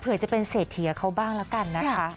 เผื่อจะเป็นเสถียเขาบ้างแล้วกันนะคะ